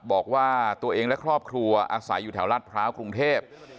บอกว่าตัวเองและครอบครัวอาศัยอยู่แถวลาดพร้าวกรุงเทพ